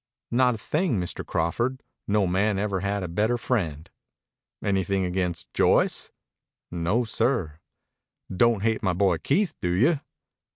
"Not a thing, Mr. Crawford. No man ever had a better friend." "Anything against Joyce?" "No, sir." "Don't hate my boy Keith, do you?"